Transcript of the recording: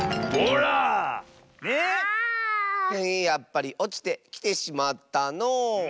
やっぱりおちてきてしまったのう。